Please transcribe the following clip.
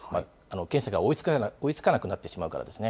検査が追いつかなくなってしまうからですね。